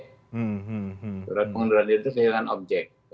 surat pengunduran diri itu kehilangan objek